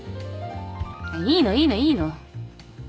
いいのいいのいいの！